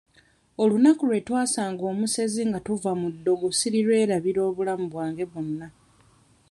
Olunaku lwe twasanga omusezi nga tuva mu ndongo sirirwerabira obulamu bwange bwonna.